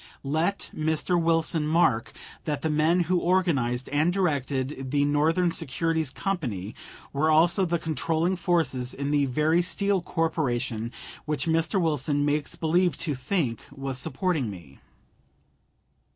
Let Mr. Wilson mark that the men who organized and directed the Northern Securities Company were also the controlling forces in the very Steel Corporation which Mr. Wilson makes believe to think was supporting me.